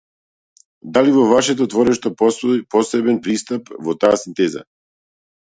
Дали во вашето творештво постои посебен пристап во таа синтеза?